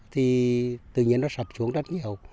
thì tự nhiên nó sập xuống rất nhiều